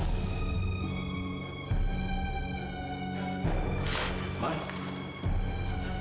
kamiloh kamilah ingin jauh